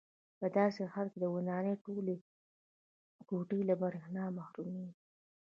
په داسې حالاتو کې د ودانۍ ټولې کوټې له برېښنا محرومېږي.